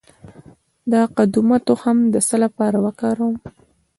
د قدومه تخم د څه لپاره وکاروم؟